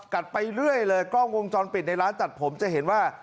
ไปเรื่อยเลยกล้องวงจรปิดในร้านตัดผมจะเห็นว่า